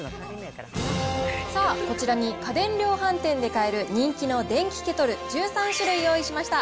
さあ、こちらに家電量販店で買える人気の電気ケトル１３種類用意しました。